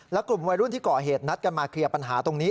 และกลุ่มวัยรุ่นที่ก่อเหตุนัดกันมาเคลียร์ปัญหาตรงนี้